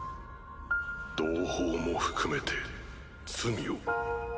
同胞も含めて罪を。